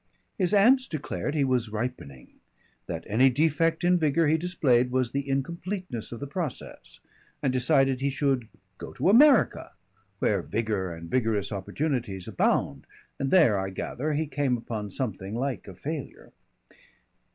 His aunts declared he was ripening, that any defect in vigour he displayed was the incompleteness of the process, and decided he should go to America, where vigour and vigorous opportunities abound, and there, I gather, he came upon something like a failure.